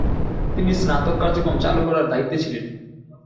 তিনি স্নাতক কার্যক্রম চালু করার দায়িত্বে ছিলেন।